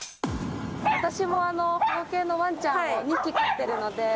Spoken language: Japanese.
私も保護犬のわんちゃんを２匹飼ってるので。